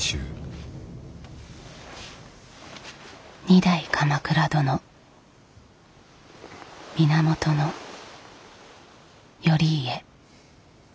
二代鎌倉殿源頼家。